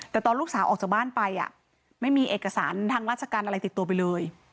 แต่ตอนลูกสาวออกจากบ้านไปไม่มีเอกสารทางราชการอะไรติดตัวไปเลย